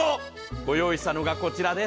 御用意したのがこちらです。